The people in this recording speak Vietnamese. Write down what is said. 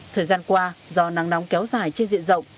thời gian qua do nắng nóng kéo dài trên diện rộng